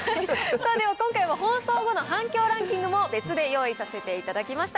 では、今回は放送後の反響ランキングも別で用意させていただきました。